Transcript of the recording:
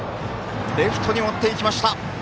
レフトに持っていきました。